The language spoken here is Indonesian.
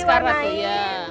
sekarang tuh ya